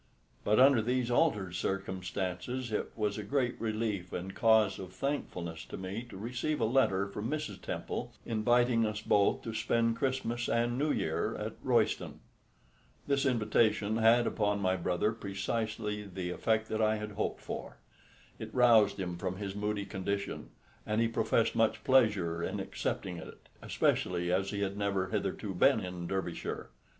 But under these altered circumstances it was a great relief and cause of thankfulness to me to receive a letter from Mrs. Temple inviting us both to spend Christmas and New Year at Royston. This invitation had upon my brother precisely the effect that I had hoped for. It roused him from his moody condition, and he professed much pleasure in accepting it, especially as he had never hitherto been in Derbyshire.